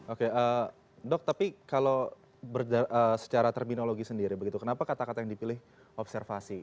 oke dok tapi kalau secara terminologi sendiri begitu kenapa kata kata yang dipilih observasi